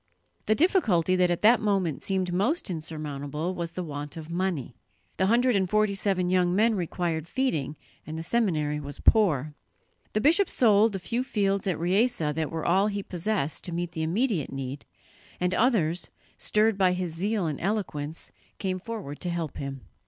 The difficulty that at that moment seemed most insurmountable was the want of money. The hundred and forty seven young men required feeding, and the seminary was poor. The bishop sold the few fields at Riese that were all he possessed to meet the immediate need, and others, stirred by his zeal and eloquence, came forward to help him.